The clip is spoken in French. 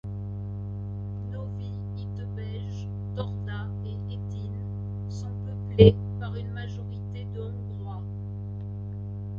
Novi Itebej, Torda et Hetin sont peuplés par une majorité de Hongrois.